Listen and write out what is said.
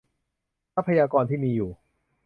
ทรัพยากรที่มีอยู่